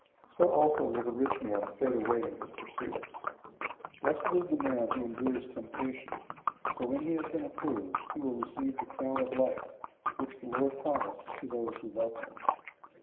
So also will the rich man fade away in his pursuits. 001:012 Blessed is the man who endures temptation, for when he has been approved, he will receive the crown of life, which the Lord promised to those who love him.